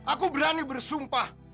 aku berani bersumpah